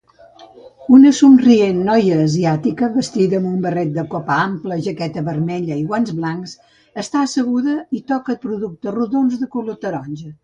Una somrient noia asiàtica vestida amb un barret de copa ampla, jaqueta vermella i guants blancs està asseguda i toca productes rodons de color taronja